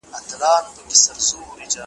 نه په سیند نه په ویالو کي به بهیږي ,